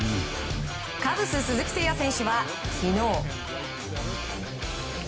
カブス、鈴木誠也選手は昨日。